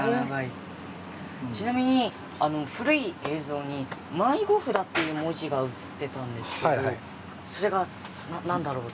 ちなみに、古い映像に迷子札という文字が映っていたんですけどそれは、なんだろうと。